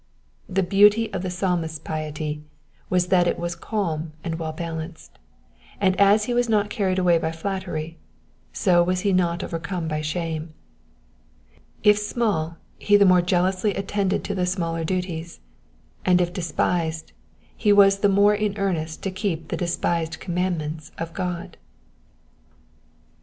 The beauty of the Psalmist's piety was that it was calm and well balanced, and as . he was not carried away by flattery, so was he not overcome by shame. If small, he the more iealously attended to the smaller duties ; and if despised, he was the more m earnest to keep ^he despised commandments of God.